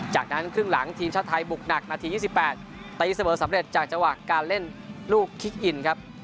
จากนั้นครึ่งหลังทีมชาติไทยบุกหนักนาที๒๘ตีเสมอสำเร็จจากจังหวะการเล่นลูกคิกอินครับ